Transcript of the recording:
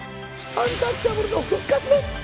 アンタッチャブルの復活です！